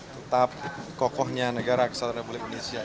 tetap kokohnya negara kesatuan republik indonesia